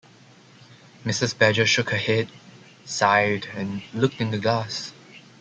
Mrs. Badger shook her head, sighed, and looked in the glass.